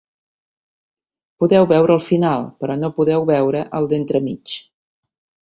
Podeu veure el final, però no podeu veure el d'entremig.